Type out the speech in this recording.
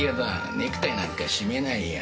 ネクタイなんか締めないよ。